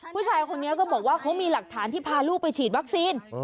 ผู้ชายคนนี้ก็บอกว่าเขามีหลักฐานที่พาลูกไปฉีดวัคซีน